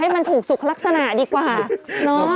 มันถูกสุขลักษณะดีกว่าเนาะ